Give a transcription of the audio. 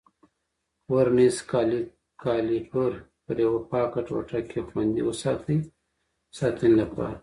ورنیز کالیپر پر یوه پاکه ټوټه کې خوندي وساتئ د ساتنې لپاره.